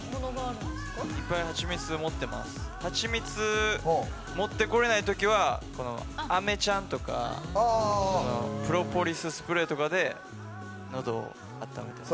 蜂蜜、持ってこれないときはあめちゃんとかプロポリススプレーとかでのどをあっためてます。